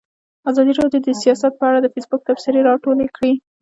ازادي راډیو د سیاست په اړه د فیسبوک تبصرې راټولې کړي.